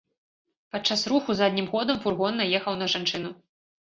Падчас руху заднім ходам фургон наехаў на жанчыну.